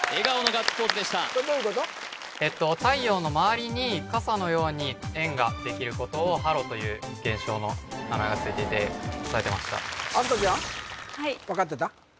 太陽の周りに傘のように円ができることをハロという現象の名前がついていて押さえてました明日香ちゃん分かってた？